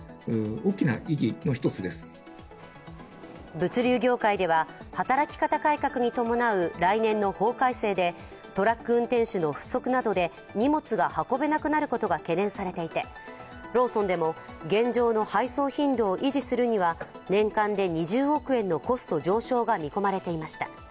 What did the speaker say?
物流業界では働き方改革に伴う来年の法改正でトラック運転手の不足などで荷物が運べなくなることなどが懸念されていて、ローソンでも現状の配送頻度を維持するには年間で２０億円のコスト上昇が見込まれていました。